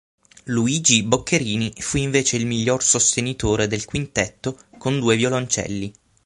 Luigi Boccherini fu invece il maggior sostenitore del quintetto con due violoncelli.